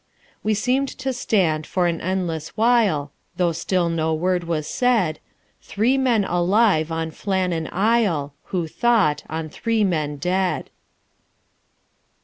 We seemed to stand for an endless while, Though still no word was said, Three men alive on Flannan Isle, Who thought, on three men dead.